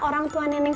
orang tua nenek